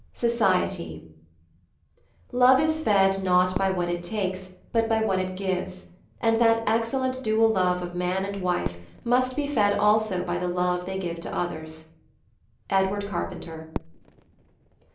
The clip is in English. Society Love is fed not by what it takes, but by what it gives, and that excellent dual love of man and wife must be fed also by the love they give to others. — Edward Carpbnter.